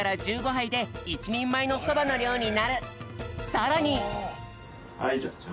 さらに。